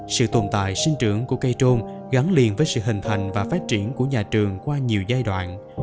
sự tồn tại sinh trưởng của cây trôn gắn liền với sự hình thành và phát triển của nhà trường qua nhiều giai đoạn